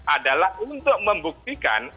adalah untuk membuktikan